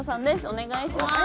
お願いします。